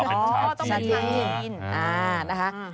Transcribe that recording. ต้องเป็นชาจีน